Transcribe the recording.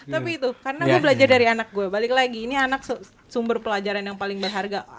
tapi itu karena gue belajar dari anak gue balik lagi ini anak sumber pelajaran yang paling berharga